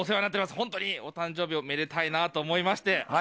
本当にお誕生日おめでたいなと思いまして。